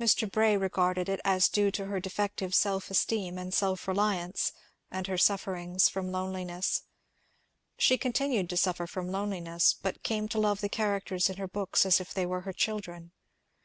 ^^ Mr. Bray regarded it as due to her defective self esteem and self reliance, and her sufferings from loneliness. She continued to suffer from loneliness, but came to love the characters in her books as if they were her children.